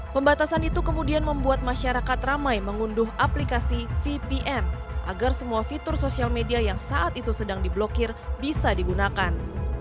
pembatasan itu kemudian membuat masyarakat ramai mengunduh aplikasi vpn agar semua fitur sosial media yang saat itu sedang diblokir bisa digunakan